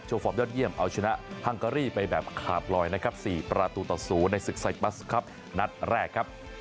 โชฟอร์มยอดเยี่ยมเอาชนะไปแบบขาบรอย๔ประตูต่อ๐ในศึกไซปรัสนัดแรก